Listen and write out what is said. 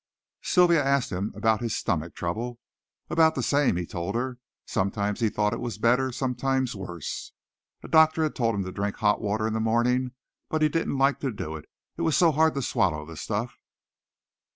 Sylvia asked him about his "stomach trouble." About the same, he told her. Sometimes he thought it was better, sometimes worse. A doctor had told him to drink hot water in the morning but he didn't like to do it. It was so hard to swallow the stuff.